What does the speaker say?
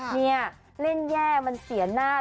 นี่เล่นแย่มันเสียหน้า